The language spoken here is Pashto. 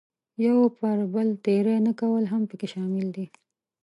یو پر بل تېری نه کول هم پکې شامل دي.